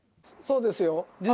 そうですよ。